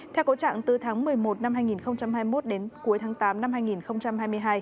theo cố trạng từ tháng một mươi một năm hai nghìn hai mươi một đến cuối tháng tám năm hai nghìn hai mươi hai